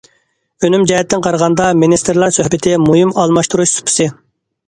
ئۈنۈم جەھەتتىن قارىغاندا، مىنىستىرلار سۆھبىتى مۇھىم ئالماشتۇرۇش سۇپىسى.